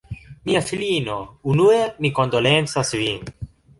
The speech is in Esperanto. Mia filino, unue mi kondolencas vin.